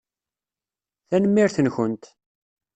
Tanemmirt-nkent!